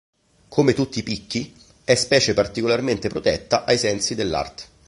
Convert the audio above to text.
Come tutti i picchi è specie particolarmente protetta ai sensi dell'art.